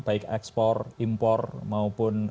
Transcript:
baik ekspor impor maupun